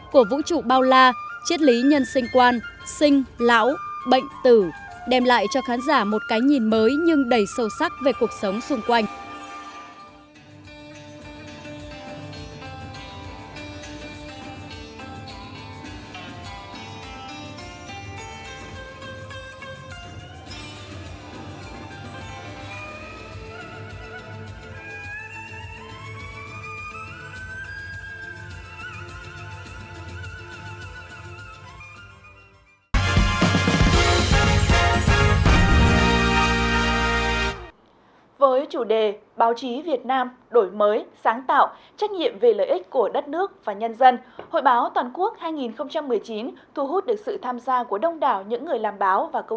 của vũ trụ của các dân tộc của các dân tộc của các dân tộc